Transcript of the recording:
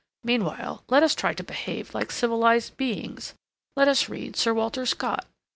Meanwhile, let us try to behave like civilized beings. Let us read Sir Walter Scott.